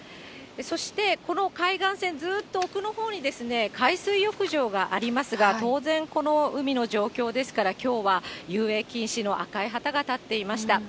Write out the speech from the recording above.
そしてこの海岸線、ずっと奥のほうに海水浴場がありますが、当然、この海の状況ですから、きょうは遊泳禁止の赤い旗がたっていました。